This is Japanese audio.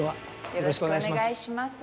よろしくお願いします。